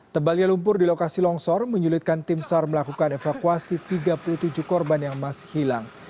tebalnya lumpur di lokasi longsor menyulitkan tim sar melakukan evakuasi tiga puluh tujuh korban yang masih hilang